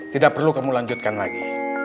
tidak perlu kamu lanjutkan lagi